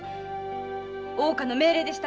大岡の命令でしたんです。